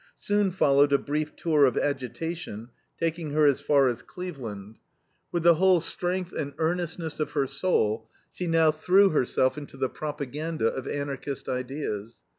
Soon followed a brief tour of agitation taking her as far as Cleveland. With the whole strength and earnestness of her soul she now threw herself into the propaganda of Anarchist ideas.